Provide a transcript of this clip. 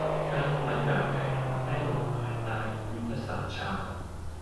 การประกาศแผนแม่บทภายใต้ ยุทธศาสตร์ชาติ